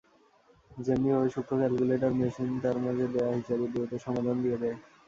যেমনিভাবে সূক্ষ calculator machine তার মাঝে দেয়া হিসাবের দ্রুত সমাধান দিয়ে দেয়।